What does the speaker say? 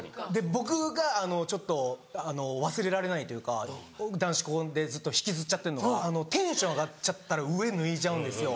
僕がちょっと忘れられないというか男子校でずっと引きずっちゃってんのはテンション上がっちゃったら上脱いじゃうんですよ。